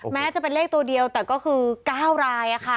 แม้จะเป็นเลขตัวเดียวแต่ก็คือ๙รายค่ะ